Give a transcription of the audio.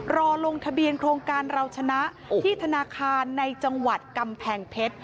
รอลงทะเบียนโครงการเราชนะที่ธนาคารในจังหวัดกำแพงเพชร